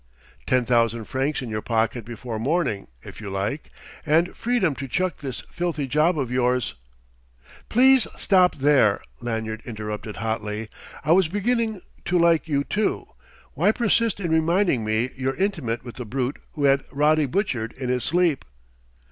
Ten thousand francs in your pocket before morning, if you like, and freedom to chuck this filthy job of yours " "Please stop there!" Lanyard interrupted hotly. "I was beginning to like you, too... Why persist in reminding me you're intimate with the brute who had Roddy butchered in his sleep?"